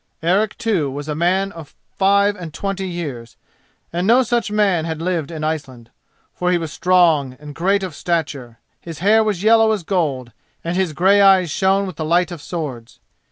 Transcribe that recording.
Eric, too, was a man of five and twenty years, and no such man had lived in Iceland. For he was strong and great of stature, his hair was yellow as gold, and his grey eyes shone with the light of swords.